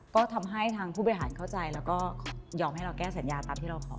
ก็ทำให้ทางผู้บริหารเข้าใจแล้วก็ยอมให้เราแก้สัญญาตามที่เราขอ